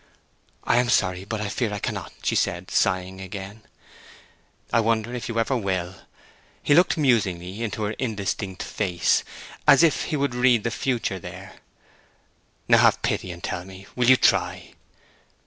"I am sorry; but I fear I cannot," she said, sighing again. "I wonder if you ever will?" He looked musingly into her indistinct face, as if he would read the future there. "Now have pity, and tell me: will you try?"